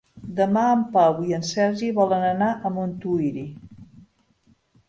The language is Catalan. Demà en Pau i en Sergi volen anar a Montuïri.